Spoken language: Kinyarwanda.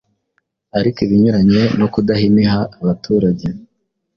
Ariko ibinyuranye no kudahimiha abaturage